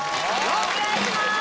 お願いします